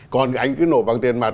còn anh cứ nộp bằng tiền mặt